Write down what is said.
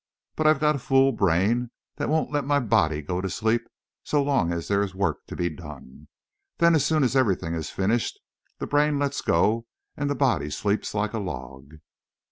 But I've got a fool brain that won't let my body go to sleep so long as there is work to be done. Then, as soon as everything is finished, the brain lets go and the body sleeps like a log.